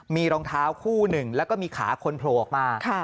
มีรองเท้าคู่หนึ่งแล้วก็มีขาคนโผล่ออกมา